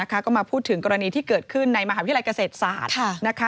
ก็มาพูดถึงกรณีที่เกิดขึ้นในมหาวิทยาลัยเกษตรศาสตร์